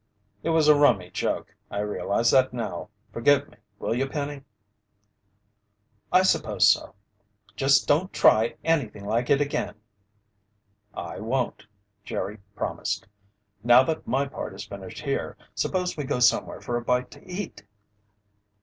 "It was a rummy joke I realize that now. Forgive me, will you, Penny?" "I suppose so. Just don't try anything like it again." "I won't," Jerry promised. "Now that my part is finished here, suppose we go somewhere for a bite to eat?"